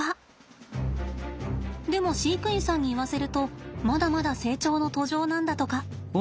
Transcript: でも飼育員さんに言わせるとまだまだ成長の途上なんだとか。